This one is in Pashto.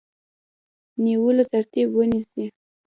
نیولو ترتیب ونیسي.